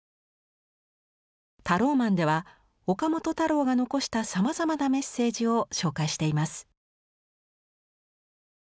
「ＴＡＲＯＭＡＮ」では岡本太郎が残したさまざまなメッセージを紹介しています。